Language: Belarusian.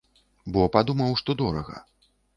Бо падумаў, што дорага.